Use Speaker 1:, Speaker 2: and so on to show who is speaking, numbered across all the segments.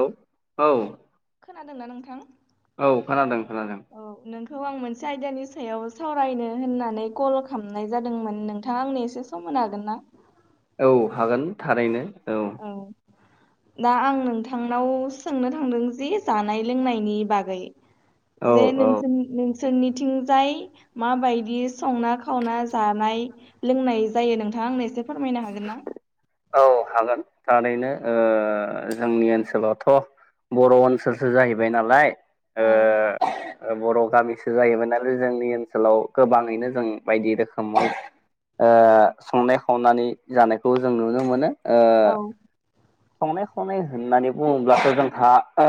Speaker 1: औ औ
Speaker 2: खोनादोंना नोंथां
Speaker 1: औ खोनादों खोनादों
Speaker 2: खौ आं मोनसे आयदानि सायाव सावरायनो होननानै कल खालामनाय जादोंमोन नोंथाङा आंनि एसे समाय होनो हागोन ना
Speaker 1: औ हागोन थारैनो
Speaker 2: औ दा आं नोंथांनाव सोंनो थांदों जे जानाय लोंनायनि बागै
Speaker 1: औ
Speaker 2: जे
Speaker 1: औ
Speaker 2: नोंसोनि सोरनिथिंजाय माबायदि संना खावना जानाय लोंनाय जायो नोंथां आंनो एसे फोरमायनो हागोन ना
Speaker 1: औ हागोन थारैनो ओ जोंनि ओनसोलावथ' बर' ओनसोलसो जाहैबाय नालाय
Speaker 2: औ
Speaker 1: ओ बर' गामिसो जाहैबाय नालाय जोंनि ओनसोलाव गोबाङैनो जों बायदि रोखोमाव ओ संनाय खावनानै जानायखौ जों नुनो मोनो ओ
Speaker 2: औ
Speaker 1: संनाय खावनाय होननानै बुङोब्लाथ' जोंहा ओ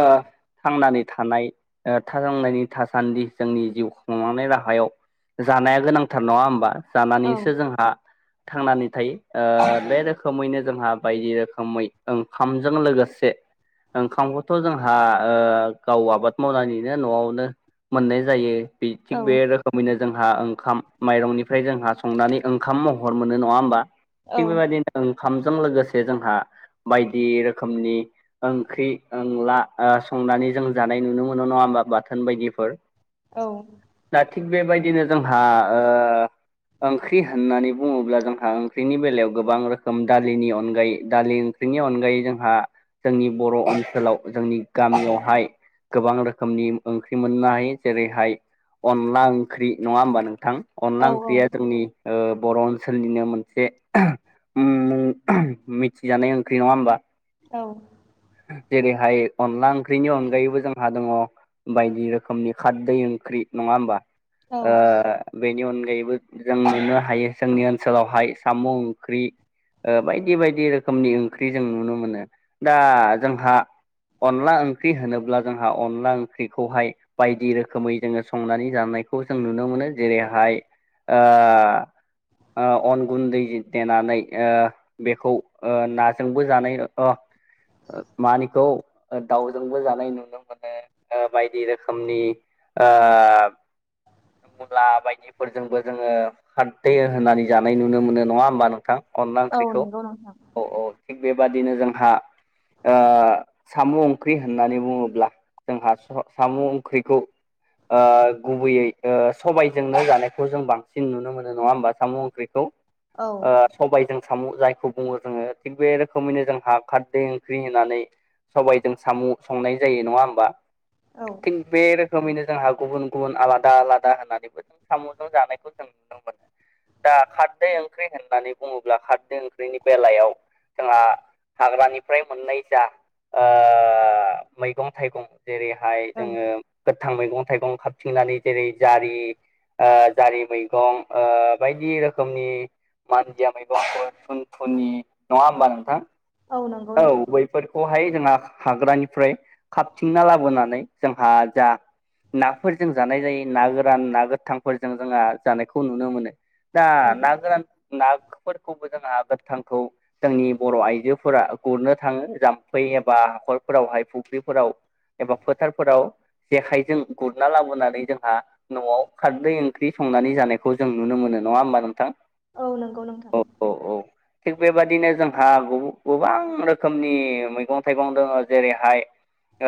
Speaker 1: थांनानै थानाय थांनायनि थासान्दि जोंनि जिउ खुंलांनाय राहायाव जानाया गोनांथार नङा होमबा
Speaker 2: औ
Speaker 1: जानानैसो जोंहा थांनानै थायो ओ बे रोखोमैनो जोंहा बायदि रोखोमै ओंखामजों लोगोसे ओंखामखौथ' जोंहा ओ गाव आबाद मावनानैनो न'आवनो मोननाय जायो बे
Speaker 2: औ
Speaker 1: थिग बे रोखोमैनो जोंहा ओंखाम माइरंनिफ्राय जोंहा संनानै ओंखाम महर मोनो नङा होमबा
Speaker 2: औ
Speaker 1: थिग बेबायदिनो ओंखामजों लोगोसे जोंहा बायदि रोखोमनि ओंख्रि अंला ओ संनानै जों जानाय नुनो मोनो नङा होमा बाथोन बायदिफोर
Speaker 2: औ
Speaker 1: दा थिग बेबायदिनो जोंहा ओ ओंख्रि होननानै बुङोब्ला जोंहा ओंख्रिनि बेलायाव गोबां रोखोम दालिनि अनगायै दालि बेनि अनगायै जोंहा जोंनि बर' ओनसोलाव जोंनि गामियावहाय गोबां रोखोमनि ओंख्रि मोननाय जेरैहाय अनला ओंख्रि नङा होमबा नोंथां
Speaker 2: औ
Speaker 1: अनला ओंख्रैआ जोंनि ओ बर' ओनसोलनिनो मोनसे मुं मिथिजानाय ओंख्रि नङा होमबा
Speaker 2: औ
Speaker 1: जेरैहाय अनला ओंख्रिनि अनगायैबो जोंहा दङ बायदि रोखोमनि खारदै ओंख्रि नङा होमबा
Speaker 2: औ
Speaker 1: ओ बेनि अन गायैबो जों नुनो हायो जोंनि ओनसोलावहाय साम' ओंख्रि ओ बायदि बायदि रोखोमनि ओंख्रि जों नुनो मोनो दा जोंहा अनला ओंख्रि होनोब्ला जोंहा अनला ओंख्रिखौहाय बायदि रोखोमै जोङो संनानै जानाय बेखौ जों नुनो मोनो जेरैहाय ओ ओ अन गुन्दै देनानै बेखौ ना जोंबो जानाय ओ मानिखौ दाउजोंबो जानाय नुनो मोनो ओ बायदि रोखोमनि ओ मुला बायदिफोरजोंबो जोङो खारदै होनानै जानाय नुनो मोनो नङा होमबा नोंथां अनला
Speaker 2: औ
Speaker 1: ओंख्रिखौ
Speaker 2: नंगौ नोंथां
Speaker 1: औ औ थिग बेबादिनो जोंहा ओ साम' ओंख्रि होननानै बुङोब्ला जोंहा स साम' ओंख्रिखौ ओ गुबैयै सबायजोंनो जानायखौ जों बांसिन नुनो मोनो नङा होमबा साम ओंख्रिखौ
Speaker 2: औ
Speaker 1: ओ सबायजों साम' जायखौ बुङो जोङो थिग बे रोखोमैनो जों हा खारदै ओंख्रि होननानै सबायजों साम' संनाय जायो नङा होमबा
Speaker 2: औ
Speaker 1: थिग बे रोखोमैनो जोंहा गुबुन गुबुन आलादा आलादा होननानैबो जों साम'जों जानायखौ जों नुनो मोनो दा खारदै ओंख्रि होननानै बुङोब्ला खारदै ओंख्रिनि बेलायाव जोंहा हाग्रानिफ्राय मोननाय जा ओ मैगं थाइगं जेरैहाय
Speaker 2: औ
Speaker 1: जोङो गोथां मैगं थाइगं खाबथिंनानै जेरै जारि ओ जारि मैगं ओ बायदि रोखोमनि मानजाया मैगंफोर थुन थुनि नङा होमबा नोंथां
Speaker 2: नंगौ
Speaker 1: औ
Speaker 2: नोंथां
Speaker 1: बैफोरखौहाय जोंहा हाग्रानिफ्राय खाबथिंना लाबोनानै जोंहा जा नाफोरजों जानाय जायो ना गोरान ना गोथांफोरजों जोंहा जानायखौ नुनो मोनो दा
Speaker 2: औ
Speaker 1: ना गोरान नाफोरखौबो जोंहा गोथांखौ जोंनि बर' आइजोफोरा गुरनो थाङो जाम्फै एबा हाखरफोरावहाय फुख्रिफोराव एबा फोथारफोराव जेखाइजों गुरना लाबोनानै जोंहा न'आव खारदै ओंख्रि सं संनानै जानायखौ जों नुनो मोनो नङा होमबा नोंथां
Speaker 2: औ नंगौ नोंथां
Speaker 1: औ औ थिग बेबायदिनो जोंहा गोबां रोखोमनि मैगं थाइगं दङ जेरैहाय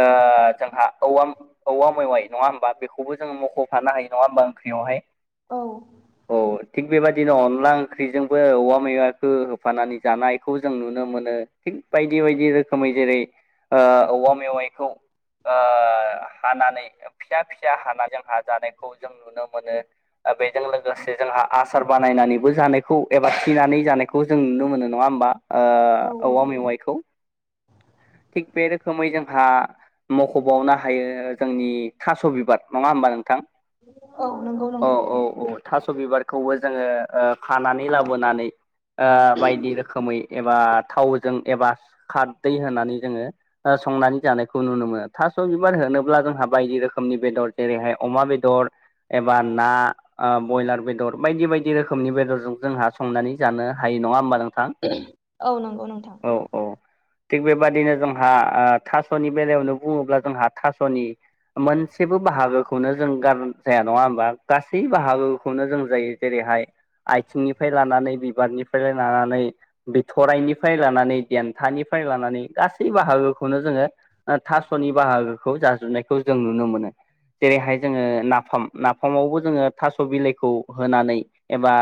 Speaker 1: ओ जोंहा औव औवा मैवाइ नङा होमबा बेखौबो जों मखफानो हायो नङा होमबा ओंख्रियावहाय
Speaker 2: औ
Speaker 1: औ थिग बेबायाददिनो अनला ओंख्रिजोंबो औवा मैवाखौ होफानानै जानायखौ जों नुनो मोनो थिग बायदि बायदि रोखोमै जेरै औवा मेवाइखौ ओ हानानै फिसा फिसा हानानै जों हा जानायखौ जों नुनो मोनो बेजों लोगोसे जोंहा आसार बानायनानैबो जानायखौ एबा थिनानै जानायखौ जों नुनो मोनो नङा होमबा
Speaker 2: औ
Speaker 1: ओ
Speaker 2: औ
Speaker 1: औवा मेवाइखौ थिग बे रोखोमै जोंहा मख'बावनो हायो जोंनि थास बिबार नङा होमबा नोंथां
Speaker 2: औ नंगौ
Speaker 1: अ
Speaker 2: नोंथां
Speaker 1: औ औ थास' बिबारखौबो जोङो खानानै लाबोनानै ओ बायदि रोखोमै एबा थावजों एबा खार दै होनानै जोङो संनानै जानायखौ नुनो मोनो थास बिबार होनोब्ला जोंहा बायदि रोखोमनि बेदर जेरैहाय अमा बेदर एबा ना ब्रयलार बेदर बायदि बायदि रोखोमनि बेदरजों जोंहा संनानै जानो हायो नङा होमबा नोंथां
Speaker 2: औ नंगौ नोंथां
Speaker 1: औ औ थिग बेबादिनो जोंहा थासनि बेलायावनो बुङोब्ला जोंहा थासनि मोनसेबो बाहागोखौनो जों गार जाया नङा होमबा गासै बाहागोखौनो जों जायो जेरै हाय आथिंनिफ्राय लानानै बिबारनिफ्राय लानानै बिथराइनिफ्राय लानानै देन्थानिफ्राय फ्राय लानानै गासै बाहागोखौनो जोङो थासनि बाहागोखौ जाजोबनायखौ जों नुनो मोनो जेरैहाय जोङो नाफाम नाफामावबो जोङो थास बिलाइखौ होनानै एबा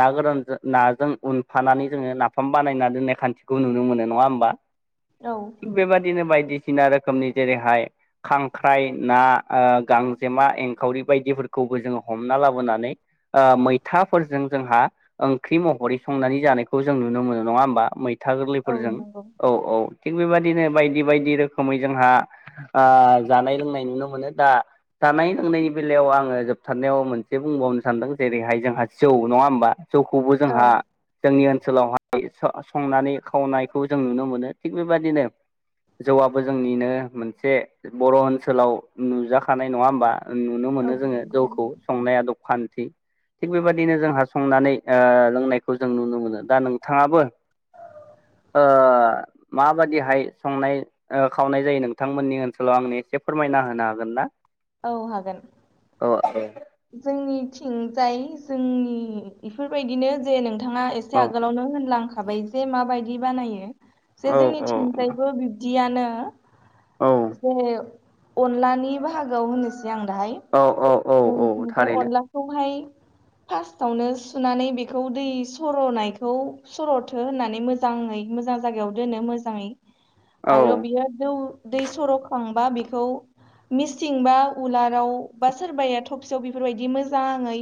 Speaker 1: ना गोरानजों नाजों उनफानानै जोङो नाफाम बानायना दोननाय खान्थिखौ नुनो मोनो नङा होमबा
Speaker 2: औ
Speaker 1: थिग बेबारदिनो बायदि सिना रोखोमनि जेरैहाय खांख्राइ ना गांजेमा एंखावरि बायदिफोरखौ खौबो जोङो हमना लाबोनानै मैथाफोरजों जोंहा ओंख्रि महरै संनानै जानाय यखौ जों नुनो मोनो नङा होमबा मैथा
Speaker 2: औ
Speaker 1: गोरलैफोरजों
Speaker 2: नंगौ
Speaker 1: औ औ थिग बेबायदिनो बायदि बायदि रोखोमै जोंहा ओ जानाय लोंनाय नुनो मोनो दा जानाय लोंनायनि बेलायाव आङो जोबथारनायाव मोनसे बुंबावनो सानदों जेरैहाय जोंहा जौ नङा होमबा? जौखौबो
Speaker 2: औ
Speaker 1: जोंहा जोंनि ओनसोलावहाय संनानै खावनाय खौ जों नुनो मोनो थिग बेबादिनो जौआबो जोंनिनो मोनसे बर' ओनसोलाव नुजाखानाय नङा होमबा नुनो
Speaker 2: औ
Speaker 1: मोनो जोङो
Speaker 2: नंगौ
Speaker 1: जौखौ
Speaker 2: नोंथां
Speaker 1: संनाय आदब खान्थि थिग बेबायदिनो जोंहा संनानै ओ लोंनायखौ जों नुनो मोनो दा नोंथाङाबो ओ माबादिहाय संनाय खावनाय जायो नोंथांमोननि ओनसोलाव आंनो एसे फोरमायना होनो हागोन ना
Speaker 2: औ हागोन
Speaker 1: औ
Speaker 2: जोंनिथिंजाय जोंनि इफोरबायदिनो जे नों नोंथाङा एसे
Speaker 1: औ
Speaker 2: आगोलावनो होनलांखाबाय जे माबायदि बानायो जे
Speaker 1: औ औ
Speaker 2: जोंनिथिंजायबो बिब्दियानो
Speaker 1: औ
Speaker 2: जे अनलानि बाहागोआव होननो
Speaker 1: औ औ औ औ
Speaker 2: जोंथिंजाय
Speaker 1: थारैनो
Speaker 2: अनलाखौहाय फार्स्टावनो सुनानै बेखौ दै सर'नायखौ सर'थो होननानै मोजाङै मोजां जायगायाव दोनो मोजाङै
Speaker 1: औ
Speaker 2: आरो बियो दौ दै सर'खांबा बेखौ मिसिं बा उलाराव बा सोरबाया थफसियाव बेफोरबायदि मोजाङै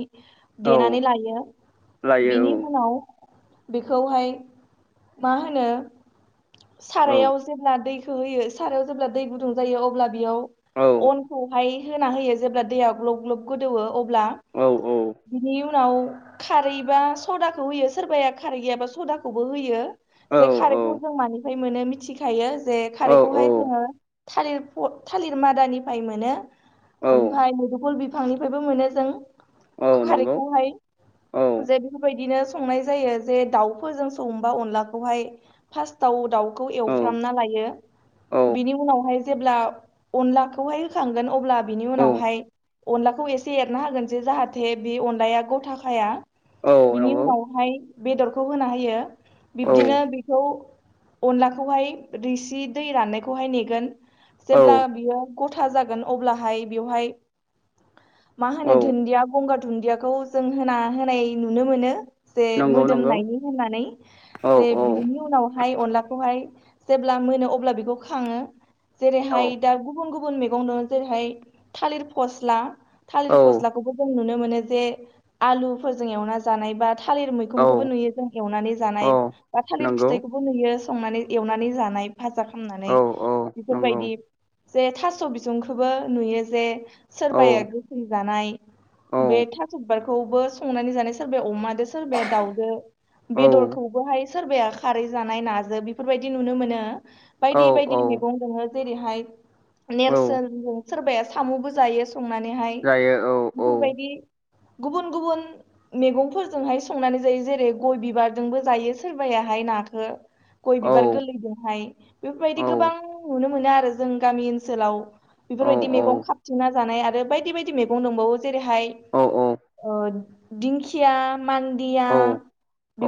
Speaker 1: औ
Speaker 2: देनानै लायो।
Speaker 1: लायो
Speaker 2: बिनि उनाव बेखौहाय मा होनो
Speaker 1: औ
Speaker 2: सारायाव जेब्ला दै खो होयो सारायाव जेब्ला दै गुदुं जायो अब्ला बेयाव
Speaker 1: औ
Speaker 2: अनखौहाय होना होयो जेब्ला दैया ग्लब ग्लब गोदौवो अब्ला
Speaker 1: औ
Speaker 2: बिनि उनाव खारै बा सदाखौ होयो सोरबाया खारै गैयाबा सदाखौबो होयो।
Speaker 1: औ
Speaker 2: जे खारैखौ जों मानिफ्राय मोनो मिथिखायो जे
Speaker 1: औ
Speaker 2: खारैखौहाय जोङो
Speaker 1: औ
Speaker 2: थालिर थालिर मादानिफ्राय मोनो
Speaker 1: औ
Speaker 2: ओमफाय मुदुफुल बिफांनिफ्रायबो मोनो जों
Speaker 1: औ नंगौ
Speaker 2: खारैखौहाय
Speaker 1: औ
Speaker 2: जे बेफोरबायदिनो संनाय जायो जे दाउफोरजों संबा अनलाखौहाय फास्टाव दाउ खौ
Speaker 1: औ
Speaker 2: एवफ्रामना लायो।
Speaker 1: औ
Speaker 2: बिनि उनावहाय जेब्ला अनलाखौहाय होखांगोन अब्ला बिनि
Speaker 1: औ
Speaker 2: उनावहाय अनलाखौ एसे एरना होगोन जे जाहाथे बे अनलाया गथा खाया।
Speaker 1: औ
Speaker 2: बिनि
Speaker 1: नंगौ
Speaker 2: उनावहाय बेदरखौ होना होयो
Speaker 1: औ
Speaker 2: बिब्दिनो बेखौ अनलाखौहाय रिसि दै राननायखौहाय नेगोन
Speaker 1: औ
Speaker 2: जेब्ला बियो ग था जागोन अब्लाहाय बेवहाय मा होनो
Speaker 1: औ
Speaker 2: दुन्दिया गंगार दुन्दियाखौ जों होना होनाय नुनो मोनो। जे
Speaker 1: नंगौ नंगौ
Speaker 2: मोदोमनायनि होननानै
Speaker 1: औ
Speaker 2: जे
Speaker 1: औ
Speaker 2: बिनि उनावहाय अनलाखौहाय जेब्ला मोनो अब्ला बेखौ खाङो
Speaker 1: औ
Speaker 2: जेरैहाय दा गुबुन गुबुन गुबुन मैगं दं जेरैहाय थालिर फस्ला थालिर फस्लाखौबो जों नुनो मोनो जे आलुफोरजों एवना जानाय बा थालिर
Speaker 1: औ
Speaker 2: मैखुमखौबो नुयो जों एवनानै जानाय
Speaker 1: औ
Speaker 2: बा थालिर
Speaker 1: नंगौ
Speaker 2: फिथाइखौबो नुयो। संनानै एवनानै जानाय फाजा
Speaker 1: औ
Speaker 2: खालामनानै
Speaker 1: औ नंगौ
Speaker 2: बेफोरबायदि जे थास' बिसुंखोबो नुयो जे
Speaker 1: औ
Speaker 2: सोरबाया गोसोम जानाय
Speaker 1: औ
Speaker 2: बे थास'बारखौबो संनानै जानाय सोरबाया अमादो सोरबाया दाउदो
Speaker 1: औ
Speaker 2: बेदरखौबोहाय सोरबाया खारै जानाय नाजों बेफोरबायदि नुनो मोनो।
Speaker 1: औ
Speaker 2: बायदि
Speaker 1: औ
Speaker 2: बायदि मैगं दङो जेरैहाय
Speaker 1: औ
Speaker 2: नेरसोनजों सोरबाया साम'बो जायो संनानैहाय
Speaker 1: जायो औ
Speaker 2: बेफोरबायदि गुबुन गुबुन मैगंफोरजोंहाय संनानै जायो जेरै गय बिबारजोंबो जायो सोरबायााहाय। ओमफाय नाखो गय
Speaker 1: औ
Speaker 2: बिबार गोरलैदोंहाय बेफोरबायदि
Speaker 1: औ
Speaker 2: गोबां नुनो मोनो आरो जों गामि ओनसोलाव
Speaker 1: औ
Speaker 2: बेफोरबायदि मैगं खााबथिंना जानाय आरो बायदि बायदि मैगं दंबावो जेरैहाय
Speaker 1: औ औ
Speaker 2: अ दिंखिया, मान्दिया
Speaker 1: औ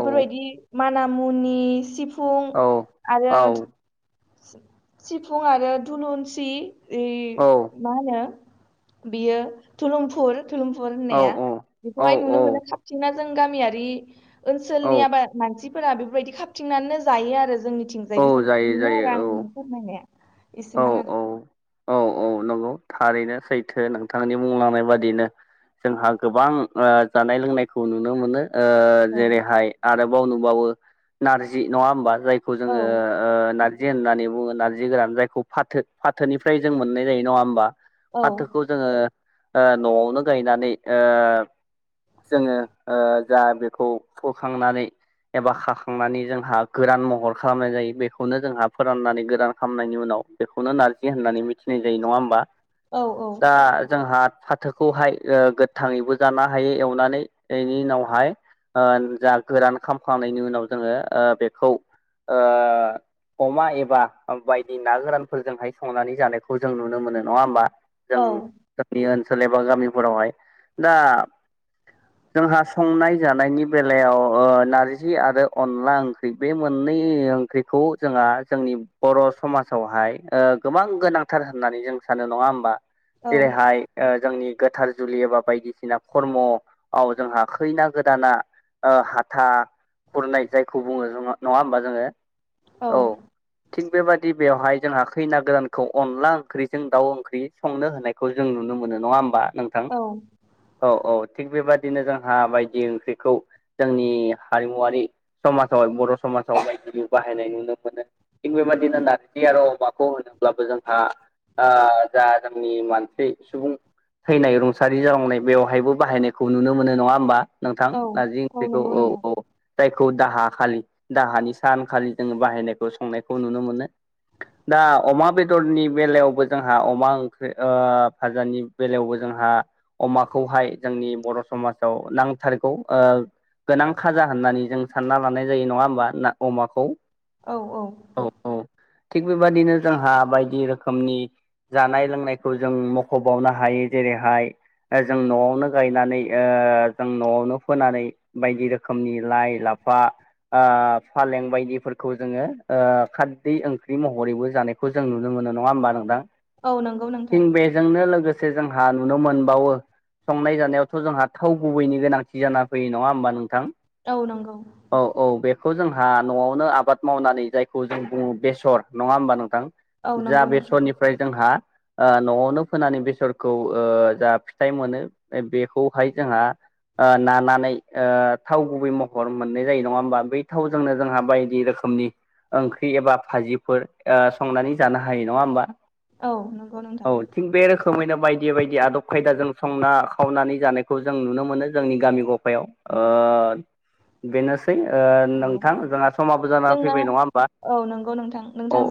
Speaker 1: औ
Speaker 2: मान मुनि सि
Speaker 1: औ औ
Speaker 2: सिफुं आरो दुनुनसि ओइ
Speaker 1: औ
Speaker 2: मा होनो बियो थुलुंफुर थुलुंफुर
Speaker 1: औ
Speaker 2: होननाया बेखौहाय नुनो मोनो खााबथिंना जों गामियारि ओनसोलनि आबाद मानसिफोरा बेफोरबायदि खाबथिंनानैनो जायो आरो जोंनि बिथिंजायो बेफोर
Speaker 1: जायो
Speaker 2: बेनो आरो।
Speaker 1: जायो औ
Speaker 2: आंनि फोरमायनाया
Speaker 1: औ
Speaker 2: एसेमोन
Speaker 1: औ
Speaker 2: आरो।
Speaker 1: औ औ नंगौ थारैनो सैथो नोंथांनि बुंलांनाय बादिनो जोंहा गोबां ओ जानाय लोंनायखौ नुनो मोनो। ओ
Speaker 2: औ
Speaker 1: जेरैहाय आरोबाव नुबावो नारजि नङा होमबा जाय खौ जोङो ओ ना जि होननानै बुङो नारजि गोरान जायखौ फाथो फाथोनिफ्राय जों मोननाय जायो नङा होमबा?
Speaker 2: औ
Speaker 1: फाथोखौ जोङो न'आवनो गायनानै जोङो जा बेखौ फोखांनानै एबा खाखांनानै जोंहा गोरान महर खालामनाय जायो बेखौनो जोंहा फोराननानै गोदान खालामनायनि उनाव बेखौनो नारजि होननानै मिथिनाय जायो नङा होमबा
Speaker 2: औ
Speaker 1: दा जोंहा फाथोखौहाय गोथाङैबो जानो हायो एवनानै बेनि उनावहाय जा गोरान खामखांनायनि उनाव जोङो बेखौ अमा एबा बायदि ना गोरानफोरजोंहाय संनानै जानायखौ जों नुनो मोनो नङा होमबा
Speaker 2: औ
Speaker 1: जों जोंनि ओनसोल एबा गामिफोरावहाय दा जोंहा संनाय जानायनि बेलायाव नारजि आरो अनला ओंख्रि बे मोन ओंख्रिखौ जोंहा जोंनि बर' समाजावहाय गोबां गोनांथार होननानै जों सानो नङा होमबा
Speaker 2: औ
Speaker 1: जेरैहाय जोंनि गोथार जुलि एबा बायदिसिना खर्मव जोंहा खैना गोदाना हाथा खुरनाय जायखौ बुङो नङा होमबा जोङो
Speaker 2: औ
Speaker 1: थिग बेबादि बेवहाय जोंहा खैना गोदानखौ अनला ओंख्रिजों दाउ ओंख्रि संनो होनायखौ जों नुनो मोन बोनो नङा होमबा नोंथां
Speaker 2: औ
Speaker 1: औ औ थिग बेबायदिनो जोंहा बायदि ओंख्रिखौ जोंनि हारिमुवारि समाजावहाय बर' समाजाव बायदि बाहायनाय नुनो मोनो थिग बेबायदिनो होनारदि आरो अमाखौ होनोब्लाबो जोंहा जा जोंनि मानसि सुबुं थैनाय रुंसारि जालांनाय बेवहायबो बाहायनायखौ नुनो मोनो नङा होमबा नोंथां
Speaker 2: औ
Speaker 1: नारजि ओंख्रिखौ
Speaker 2: नंगौ
Speaker 1: औ
Speaker 2: नोंथां
Speaker 1: औ जायखौ दाहा खालि दाहानि सानखालि जोङो बाहायनायखौ संनायखौ नुनो मोनो दा अमा बेदरनि बेलायावबो जोंहा अमा ओंख्रि फाजानि बेलायावबो जोंहा जोंहा अमाखौहाय जोंनि बर' समाजाव नांथारगौ गोनां खाजा होननानै जों सानना लानाय जायो नङा होमबा ना अमाखौ
Speaker 2: औ औ
Speaker 1: थिग बेबादिनो जोंहा बायदि रोखोमनि जानाय लोंनायखौ जों मख'बावनो हायो जेरैहाय जों न'आवनो गायनानै जों न'आवनो फोनानै बायदि रोखोमनि लाइ ला फा फालें बायदिफोरखौ जोङो खारदै ओंख्रि महरैबो जानायखौ जों नुनो मोनो नङा होमबा नोंदां
Speaker 2: औ नंगौ नोंथां
Speaker 1: थों बेजोंनो लोगोसे जोंहा नुनो मोनबावो संनाय जानायावथ' जोंहा थाव गुबैनि गोनांथि जाना फैयो नङा होमबा नोंथां
Speaker 2: औ नंगौ
Speaker 1: औ औ बेखौ जोंहा न'आवनो आबाद मावनानै जायखौ जों बुङो बेसर नङा होमबा नोंथां
Speaker 2: औ
Speaker 1: जा
Speaker 2: नंगौ नोंथां
Speaker 1: बेसरनिफ्राय जोंहा न'आवनो फोनानै बेसरखौ जा फिथाइ मोनो बेखौहाय जोंहा नानानै थाव गुबै महर मोननाय जायो नङा होनबा बै थावजोंनो जोंहा बायदि रोखोमनि ओंख्रि एबा भाजिफोर संनानै जानो हायो नङा होमबा
Speaker 2: औ नंगौ नोंथां
Speaker 1: समोमैनो बायदि बायदि आदब खायदाजों संना खावनानै जानायखौ जों नुनो मोनो जोंनि गामि गफायाव बेनो
Speaker 2: औ
Speaker 1: नोंथां जोंहा समाबो जानानानै
Speaker 2: जोंना
Speaker 1: फैबाय नङा होनबा
Speaker 2: औ नंगौ नोंथां
Speaker 1: औ
Speaker 2: नोंथांजों
Speaker 1: औ